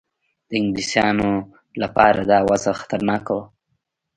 د انګلیسیانو لپاره دا وضع خطرناکه وه.